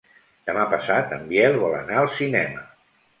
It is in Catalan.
Demà passat en Biel vol anar al cinema.